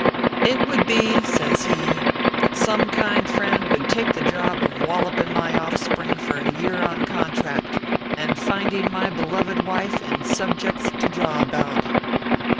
"It would be/ says he, " that some kind friend would take the job of walloping my offspring for a year on contract, and finding my beloved wife in sub jects to jaw about."